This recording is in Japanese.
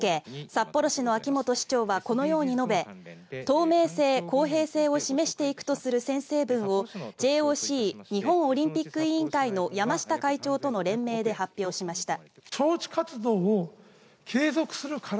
札幌市の秋元市長はこのように述べ透明性、公平性を示していくとする宣誓文をＪＯＣ・日本オリンピック委員会の山下会長との連名で発表しました。